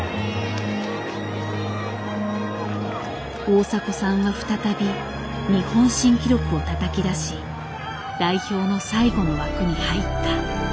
大迫さんは再び日本新記録をたたき出し代表の最後の枠に入った。